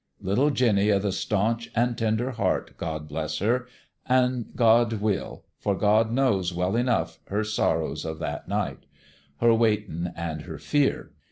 Little Jinny o' the staunch an' tender heart, God bless her ! An' God will : for God knows, well enough, her sorrows of that night her waiting an' her fear.